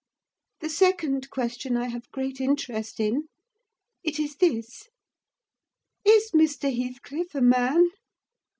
The second question I have great interest in; it is this—Is Mr. Heathcliff a man?